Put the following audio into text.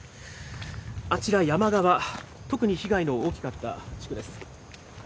あちら山側、特に被害の大きかった地区です。